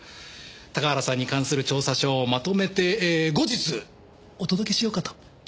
高原さんに関する調査書をまとめて後日お届けしようかと。